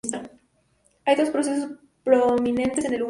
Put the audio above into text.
Hay dos procesos prominentes en el húmero.